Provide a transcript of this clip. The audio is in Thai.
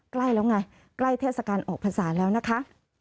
ใกล้แล้วไงใกล้เทศกาลออกพรรษาแล้วนะคะ